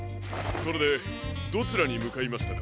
それでどちらにむかいましたか？